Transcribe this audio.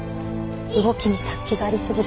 動きに殺気がありすぎる。